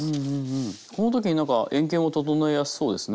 この時になんか円形も整えやすそうですね。